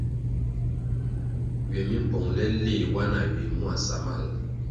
Ywe mi pongʼle nle wa na ywè mua samal ?